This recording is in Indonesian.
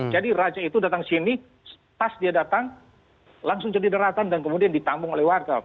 jadi raja itu datang sini pas dia datang langsung jadi daratan dan kemudian ditambung oleh warga